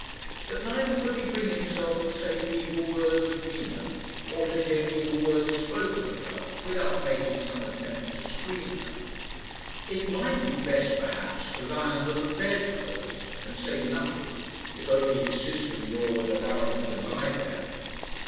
But neither could he bring himself to say evil words of Nina, or to hear evil words spoken of her without making some attempt to screen her. It might be best, perhaps, to lie under the bed clothes and say nothing, if only his sister in law would allow him to lie there.